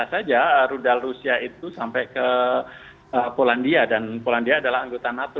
bisa saja rudal rusia itu sampai ke polandia dan polandia adalah anggota nato